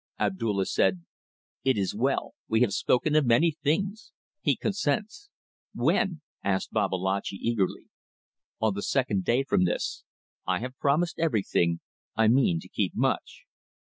Abdulla said "It is well. We have spoken of many things. He consents." "When?" asked Babalatchi, eagerly. "On the second day from this. I have promised every thing. I mean to keep much."